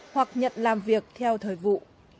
hoặc nhận làm việc theo thời vụ